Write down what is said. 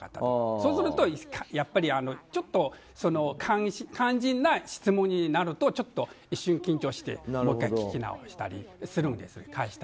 そうすると、やっぱりちょっと肝心な質問になるとちょっと一瞬緊張してもう１回聞き返したりするんですね。